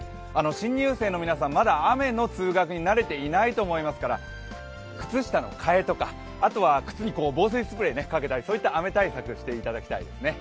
新入生の皆さん、まだ雨の通学に慣れていないと思いますから靴下の替えとか、あとは靴に防水スプレーをかけたりそういった雨対策をしていただきたいですね。